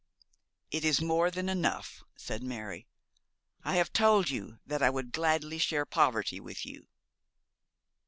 'It is more than enough,' said Mary. 'I have told you that I would gladly share poverty with you.'